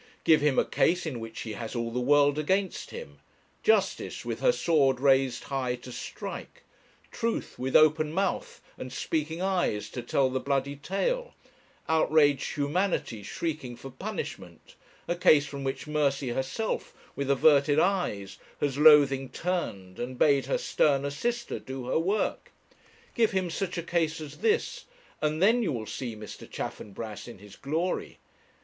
Give him a case in which he has all the world against him; Justice with her sword raised high to strike; Truth with open mouth and speaking eyes to tell the bloody tale; outraged humanity shrieking for punishment; a case from which Mercy herself, with averted eyes, has loathing turned and bade her sterner sister do her work; give him such a case as this, and then you will see Mr. Chaffanbrass in his glory.